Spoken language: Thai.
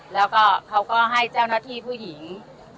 แล้วก็เขาก็ให้เจ้าหน้าที่ผู้หญิง